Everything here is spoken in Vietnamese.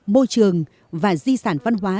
môi trường và di sản văn hóa